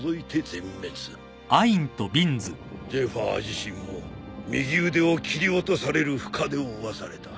ゼファー自身も右腕を斬り落とされる深手を負わされた。